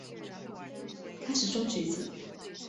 开始装橘子